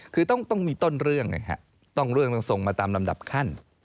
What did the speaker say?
คือต้องมีต้นเรื่องนะครับต้องเรื่องต้องส่งมาตามลำดับขั้น